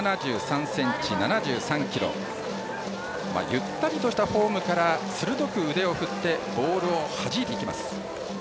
ゆったりとしたフォームから鋭く腕を振ってボールをはじいていきます。